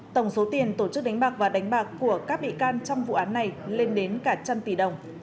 tổng số tiền tổ chức đánh bạc và đánh bạc của các bị can trong vụ án này lên đến cả trăm tỷ đồng